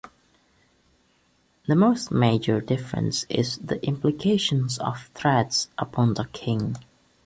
The most major difference is the implication of threats upon the king.